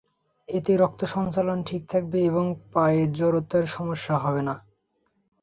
এতে রক্ত সঞ্চালন ঠিক থাকবে এবং পায়ে জড়তার সমস্যা হবে না।